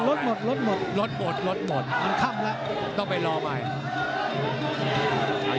รถหมดรถหมดรถหมดรถหมดมันค่ำแล้วต้องไปรอใหม่